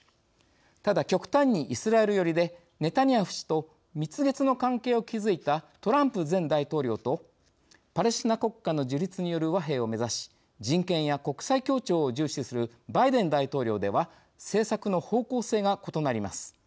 ただ、極端にイスラエル寄りでネタニヤフ氏と蜜月の関係を築いたトランプ前大統領とパレスチナ国家の樹立による和平を目指し人権や国際協調を重視するバイデン大統領では政策の方向性が異なります。